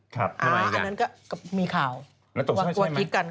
ครับทำไมค่ะอันนั้นก็มีข่าววันกวดคิดกันแล้วตกข้าวใช่ไหม